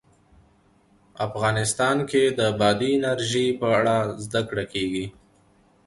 افغانستان کې د بادي انرژي په اړه زده کړه کېږي.